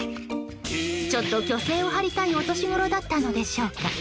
ちょっと虚勢を張りたいお年頃だったのでしょうか？